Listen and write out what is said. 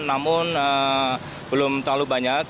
namun belum terlalu banyak